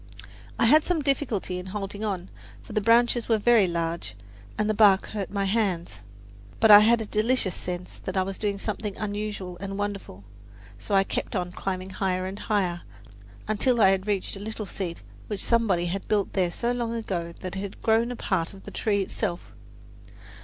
I had some difficulty in holding on, for the branches were very large and the bark hurt my hands. But I had a delicious sense that I was doing something unusual and wonderful so I kept on climbing higher and higher, until I reached a little seat which somebody had built there so long ago that it had grown part of the tree itself.